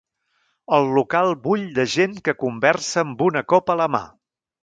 El local bull de gent que conversa amb una copa a la mà.